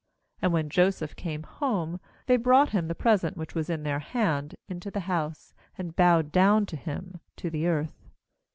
26And when Joseph came home, they brought him the present which was in their hand into the house, and bowed down to him to the earth.